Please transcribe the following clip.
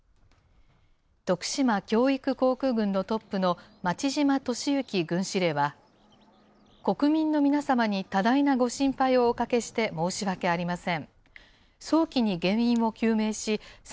徳島教育航空群のトップの町嶋敏行軍司令は、、町島敏幸軍司令は国民の皆様に多大なご心配をおかけして申し訳ありません。